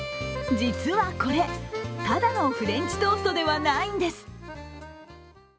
実はこれ、ただのフレンチトーストではないんです。